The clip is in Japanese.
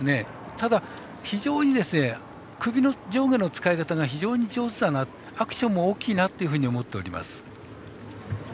ただ非常に首を上下の使い方が非常に上手だなアクションも大きいなというふうに思っています。